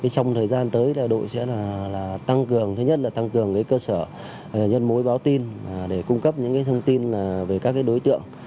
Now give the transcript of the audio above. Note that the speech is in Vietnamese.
trong thời gian tới đội sẽ tăng cường cơ sở nhân mối báo tin để cung cấp những thông tin về các đối tượng